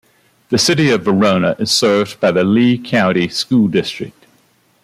The City of Verona is served by the Lee County School District.